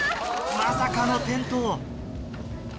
・まさかの転倒。